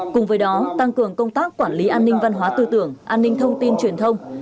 cùng với đó tăng cường công tác quản lý an ninh văn hóa tư tưởng an ninh thông tin truyền thông